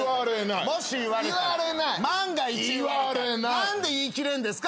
何で言いきれるんですか？